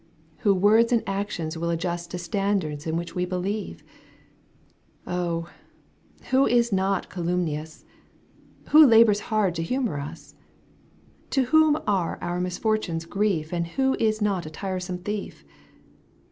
Who words and actions will adjust To standards in which we believe ? Oh ! who is not calumnious ? Who labours hard to humour us ?^ To whom axe our misfortunes grief . And who is not a tiresome thief?